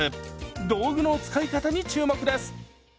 道具の使い方に注目です！